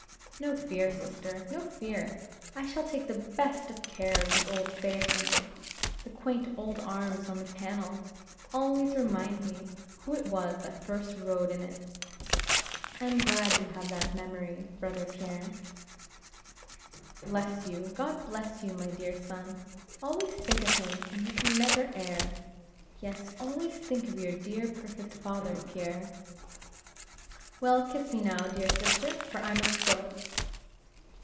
"No fear, sister; no fear; I shall take the best of care of the old phaeton. The quaint old arms on the panel, always remind me who it was that first rode in it." "I am glad you have that memory, brother Pierre." "And who it was that next rode in it." "Bless you! God bless you, my dear son! always think of him and you can never err; yes, always think of your dear perfect father, Pierre." "Well, kiss me now, dear sister, for I must go."